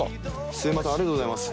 すみませんありがとうございます。